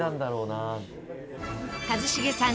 一茂さん